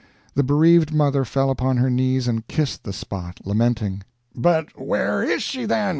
The bereaved mother fell upon her knees and kissed the spot, lamenting. "But where is she, then?"